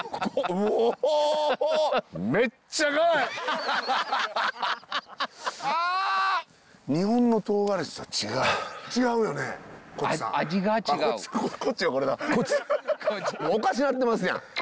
もうおかしなってますやん。